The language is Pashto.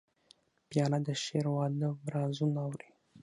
پیاله د شعرو او ادب رازونه اوري.